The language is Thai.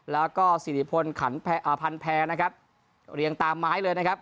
แล้วก็สิริพลขันพันแพรนะครับเรียงตามไม้เลยนะครับ